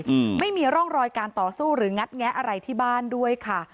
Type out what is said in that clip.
อืมไม่มีร่องรอยการต่อสู้หรืองัดแงะอะไรที่บ้านด้วยค่ะ